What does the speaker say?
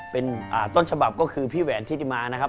เป็นต้นฉบับก็คือพี่แหวนทิติมานะครับ